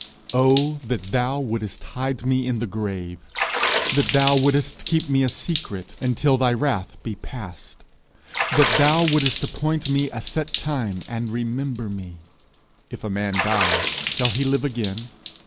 '_O that thou wouldest hide me in the grave, that thou wouldest keep me secret, until thy wrath be past, that thou wouldest appoint me a set time, and remember me! If a man die, shall he live again?